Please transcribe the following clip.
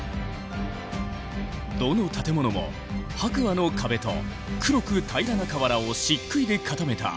どの建物も白亜の壁と黒く平らな瓦をしっくいで固めた